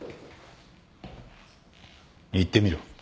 言ってみろ。